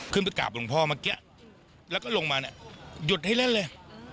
ไปกราบหลวงพ่อเมื่อกี้แล้วก็ลงมาเนี่ยหยุดให้เล่นเลย